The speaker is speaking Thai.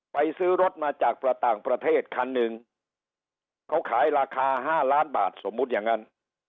ซื้อรถมาจากประต่างประเทศคันหนึ่งเขาขายราคา๕ล้านบาทสมมุติอย่างนั้น